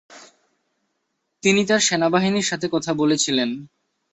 তিনি তাঁর সেনাবাহিনীর সাথে কথা বলেছিলেন: